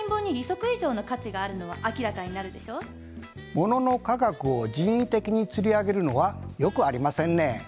ものの価額を人為的につり上げるのはよくありませんね。